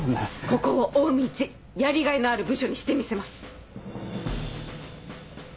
ここをオウミいちやりがいのある部署にしてみせます！